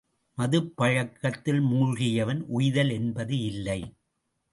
மதுப்பழக்கத்தில் மூழ்கியவன் உய்தல் என்பது இல்லை.